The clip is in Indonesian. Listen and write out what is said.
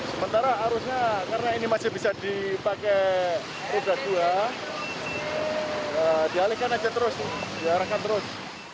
sementara arusnya karena ini masih bisa dipakai roda dua dialihkan aja terus diarahkan terus